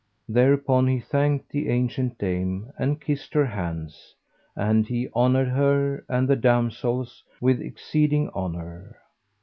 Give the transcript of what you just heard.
Thereupon he thanked the ancient dame and kissed her hands; and he honoured her and the damsels with exceeding honour.